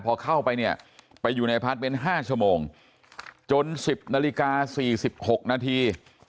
พอเข้าไปเนี่ยไปอยู่ในพาร์ทเมนต์๕ชั่วโมงจน๑๐นาฬิกา๔๖นาที